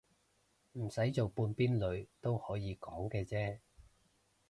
唔使做半邊女都可以講嘅啫